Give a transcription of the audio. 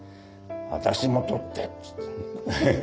「私も撮って」って。